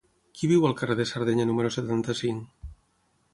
Qui viu al carrer de Sardenya número setanta-cinc?